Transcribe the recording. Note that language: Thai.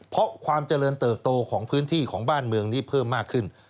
เพราะความเจริญเติบโตของพื้นที่ของบ้านเมืองนี้เพิ่มมากขึ้น